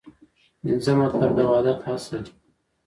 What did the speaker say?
پنځم مطلب : د وحدت اصل